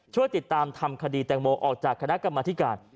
ช่วยติดตามทำคดีแตงโมออกจากคณะกรรมธิการ